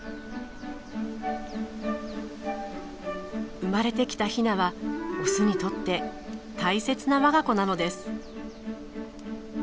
生まれてきたヒナはオスにとって大切な我が子なのです。